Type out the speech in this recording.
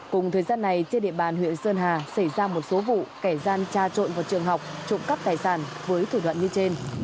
cùng thời gian này trên địa bàn huyện sơn hà xảy ra một số vụ kẻ gian tra trộn vào trường học trộm cắp tài sản với thủ đoạn như trên